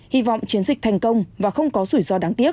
hy vọng chiến dịch thành công và không có rủi ro đáng tiếc